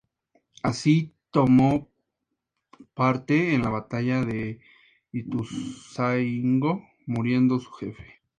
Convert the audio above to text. Así tomó parte en la Batalla de Ituzaingó, muriendo su jefe.